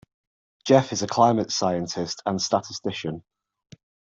Jeff is a climate scientist and statistician.